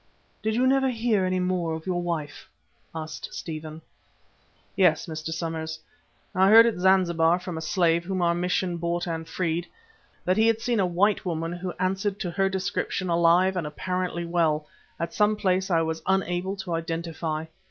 "Did you never hear any more of your wife?" asked Stephen. "Yes, Mr. Somers; I heard at Zanzibar from a slave whom our mission bought and freed, that he had seen a white woman who answered to her description alive and apparently well, at some place I was unable to identify.